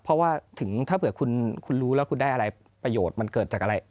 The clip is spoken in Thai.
เพราะว่าถึงถ้าเผื่อคุณรู้แล้วคุณได้อะไรประโยชน์มันเกิดจากอะไร